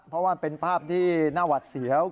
เพราะว่ามันเป็นภาพที่น่าหวัดเสียว